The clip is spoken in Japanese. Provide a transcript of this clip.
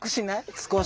少し。